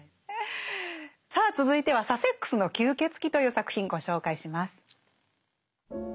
さあ続いては「サセックスの吸血鬼」という作品ご紹介します。